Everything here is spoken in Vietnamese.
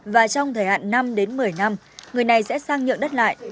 và trong thời hạn năm đến một mươi năm người này sẽ sang nhượng đất lại